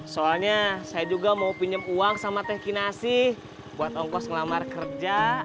soalnya saya juga mau pinjam uang sama teh kinasi buat ongkos ngelamar kerja